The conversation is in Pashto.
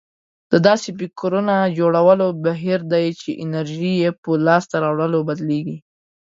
دا داسې فکرونه جوړولو بهير دی چې انرژي يې په لاسته راوړنو بدلېږي.